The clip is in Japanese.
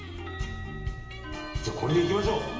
じゃあ、これでいきましょう。